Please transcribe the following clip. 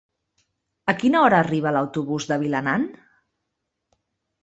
A quina hora arriba l'autobús de Vilanant?